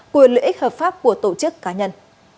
quyền lợi ích hợp pháp của tổ chức cá nhân